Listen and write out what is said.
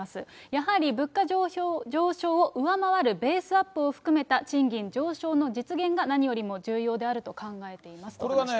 やはり物価上昇を上回るベースアップを含めた、賃金上昇の実現が何よりも重要であると考えていますとしています。